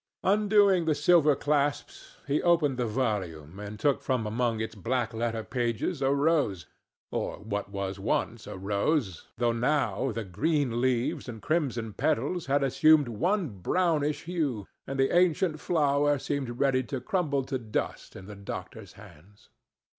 Undoing the silver clasps, he opened the volume and took from among its black letter pages a rose, or what was once a rose, though now the green leaves and crimson petals had assumed one brownish hue and the ancient flower seemed ready to crumble to dust in the doctor's hands.